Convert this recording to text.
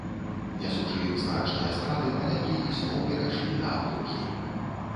Нясучы значныя страты, палякі ізноў перайшлі да аблогі.